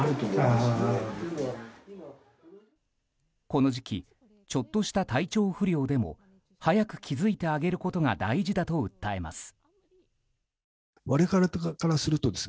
この時期ちょっとした体調不良でも早く気づいてあげることが大事だと訴えます。